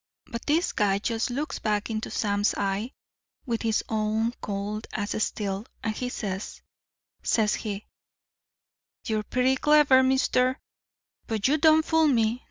"But this guy just looks back into Sam's eye with his own cold as steel, and he says, says he: 'You're pretty clever, mister, but you don't fool me.